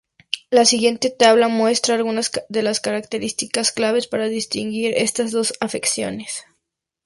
La siguiente tabla muestra algunas de las características claves para distinguir estas dos afecciones.